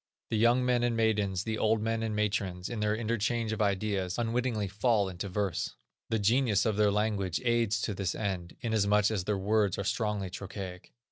The young men and maidens, the old men and matrons, in their interchange of ideas, unwittingly fall into verse. The genius of their language aids to this end, inasmuch as their words are strongly trochaic.